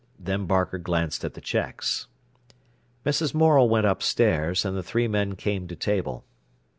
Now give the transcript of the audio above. Then Barker glanced at the checks. Mrs. Morel went upstairs, and the three men came to table.